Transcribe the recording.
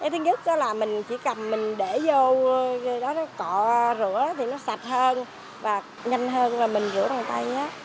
thứ nhất là mình chỉ cầm mình để vô cọ rửa thì nó sạch hơn và nhanh hơn là mình rửa bằng tay